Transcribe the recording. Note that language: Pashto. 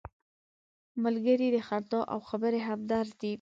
ملګری د خندا او خبرې همدرد دی